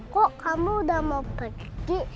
kok kamu udah mau pergi